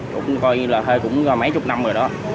cũng coi như là thuê cũng mấy chút năm rồi đó